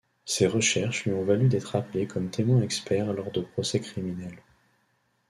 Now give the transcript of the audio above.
Ses recherches lui ont valu d'être appelé comme témoin expert lors de procès criminels.